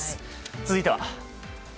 続いては。